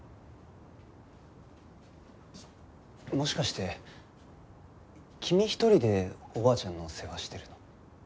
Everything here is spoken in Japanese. もしかして君一人でおばあちゃんの世話してるの？